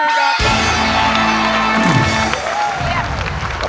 ร้องได